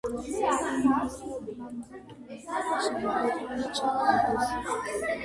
სტრიების მკურნალობა რთულია და რაც შეიძლება ადრე უნდა ჩატარდეს.